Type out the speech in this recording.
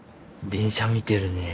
電車見てるね。